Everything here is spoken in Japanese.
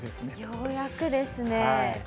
ようやくですね。